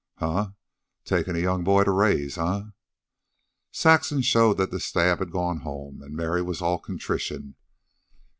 "Huh! Takin' a young boy to raise, eh?" Saxon showed that the stab had gone home, and Mary was all contrition.